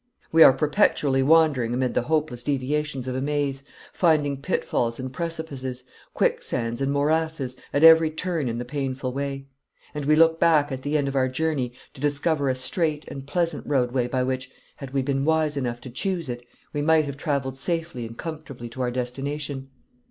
We are perpetually wandering amid the hopeless deviations of a maze, finding pitfalls and precipices, quicksands and morasses, at every turn in the painful way; and we look back at the end of our journey to discover a straight and pleasant roadway by which, had we been wise enough to choose it, we might have travelled safely and comfortably to our destination.